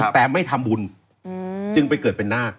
แต่ไม่ทำบุญจึงไปเกิดเป็นนาค